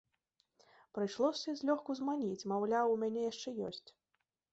Прыйшлося злёгку зманіць, маўляў, у мяне яшчэ ёсць.